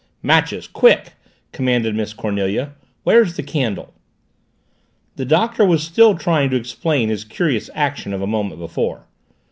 "Matches, quick!" commanded Miss Cornelia. "Where's the candle?" The Doctor was still trying to explain his curious action of a moment before.